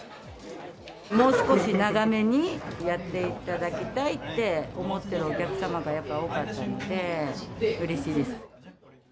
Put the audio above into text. もう少し長めにやっていただきたいって思ってるお客様がやっぱり多かったので、うれしいです。